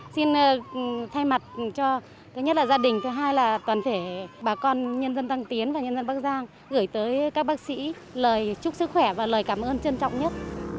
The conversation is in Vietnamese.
xin thay mặt cho thứ nhất là gia đình thứ hai là toàn thể bà con nhân dân tăng tiến và nhân dân bắc giang gửi tới các bác sĩ lời chúc sức khỏe và lời cảm ơn trân trọng nhất